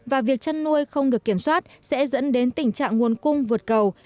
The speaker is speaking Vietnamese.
và việc chăn nuôi không được kiểm soát sẽ dẫn đến tình trạng nguồn cung vượt cầu